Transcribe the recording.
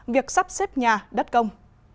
việc sắp xếp nhà đất công